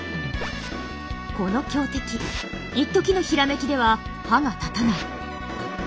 この強敵いっときの閃きでは歯が立たない。